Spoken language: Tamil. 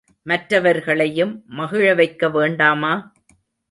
மற்றவர்களையும் மகிழவைக்க வேண்டாமா?